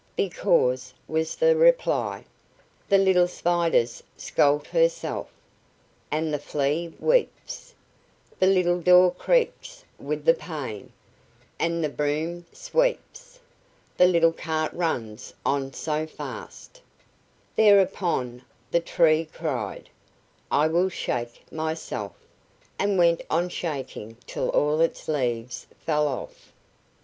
"Because," was the reply: "The little Spider's scalt herself, And the Flea weeps; The little door creaks with the pain, And the broom sweeps; The little cart runs on so fast," Thereupon the tree cried, "I will shake myself!" and went on shaking till all its leaves fell off.